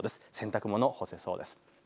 洗濯物、干せそうです。